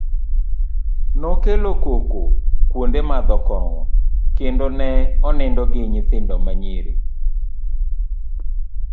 ,nokelo koko kwonde madho kong'o kendo ne onindo gi nyithindo ma nyiri